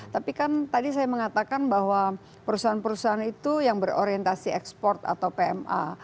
tapi kan tadi saya mengatakan bahwa perusahaan perusahaan itu yang berorientasi ekspor atau pma